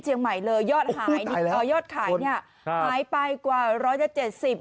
เชียงใหม่เลยยอดหายเอ่อยอดขายเนี่ยหายไปกว่าร้อยละเจ็ดสิบ